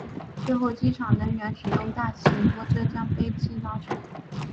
最后机场人员使用大型拖车将飞机拉出。